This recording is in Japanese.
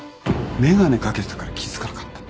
眼鏡掛けてたから気付かなかった。